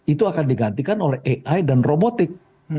itu akan digantikan oleh ai dan robotik